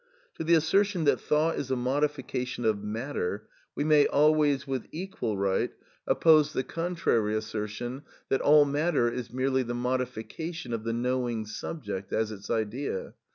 To the assertion that thought is a modification of matter we may always, with equal right, oppose the contrary assertion that all matter is merely the modification of the knowing subject, as its idea.